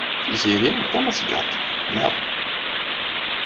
Tiziri d tamasgadt, naɣ?